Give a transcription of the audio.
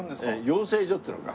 養成所っていうのか。